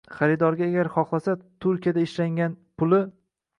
Xaridorga agar xohlasa, Turkiyada ishlangan, puli